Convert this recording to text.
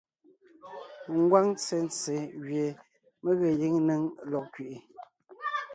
Ngwáŋ ntsentse gẅie mé ge gíŋ néŋ lɔg kẅiʼi,